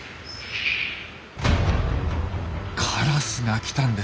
カラスが来たんです。